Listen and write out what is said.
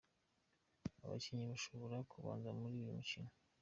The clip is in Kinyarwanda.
Abakinnyi bashobora kubanza muri uyu mukino:.